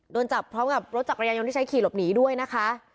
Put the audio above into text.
โดนจับพร้อมกับรถจักรยานยนต์ที่ใช้ขี่หลบหนีด้วยนะคะ